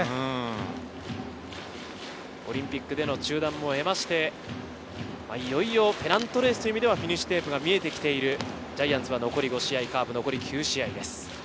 オリンピックでの中断も経まして、いよいよペナントレースという意味ではフィニッシュテープが見えて来ているジャイアンツは残り５試合、カープは９試合です。